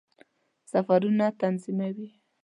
سفرونه تنظیموي.